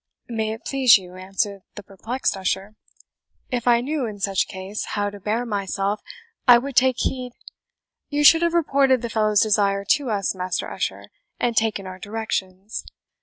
"May it please you," answered the perplexed usher, "if I knew, in such case, how to bear myself, I would take heed " "You should have reported the fellow's desire to us, Master Usher, and taken our directions.